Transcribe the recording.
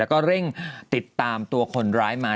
แล้วก็เร่งติดตามตัวคนร้ายมา